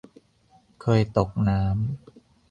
เคยตกน้ำ